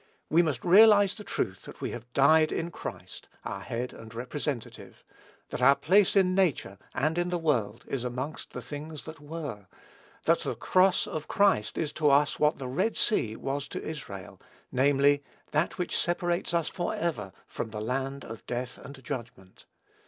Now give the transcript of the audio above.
We must realize the truth that we have died in Christ, our Head and Representative, that our place in nature and in the world is amongst the things that were, that the cross of Christ is to us what the Red Sea was to Israel, namely, that which separates us forever from the land of death and judgment.